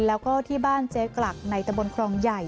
แล้วก็ที่บ้านเจ๊กลักในตะบนครองใหญ่